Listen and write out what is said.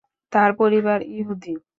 তার পরিবার ইহুদি।